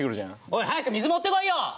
おい早く水持ってこいよ！